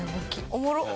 おもろっ。